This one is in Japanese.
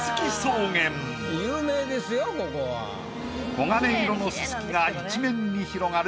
黄金色のすすきが一面に広がる